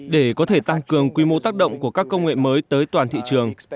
để có thể tăng cường quy mô tác động của các công nghệ mới tới toàn thị trường